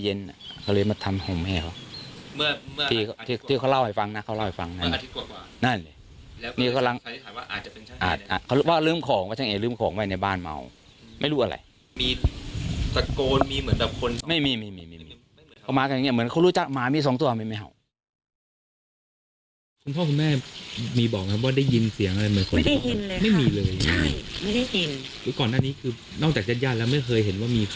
เขามากันอย่างงี้มันเหมือนเขารู้จักมี๒ตัวไม่เหลือ